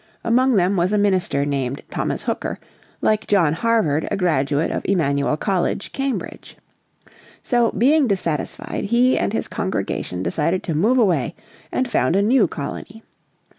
Among them was a minister named Thomas Hooker, like John Harvard a graduate of Emmanuel College, Cambridge. So, being dissatisfied, he and his congregation decided to move away and found a new colony.